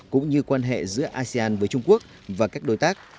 cũng như quan hệ giữa asean với trung quốc và các đối tác